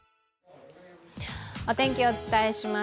お天気、お伝えします。